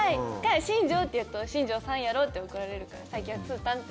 新庄って言うと新庄さんやろって怒られるから最近はつーたんって。